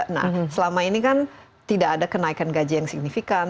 nah selama ini kan tidak ada kenaikan gaji yang signifikan